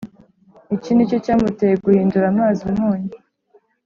ikinicyo cyamuteye guhindura amazi umunyu.